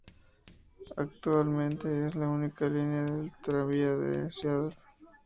Actualmente es la única línea del Tranvía de Seattle.